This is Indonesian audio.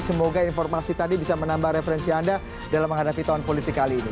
semoga informasi tadi bisa menambah referensi anda dalam menghadapi tahun politik kali ini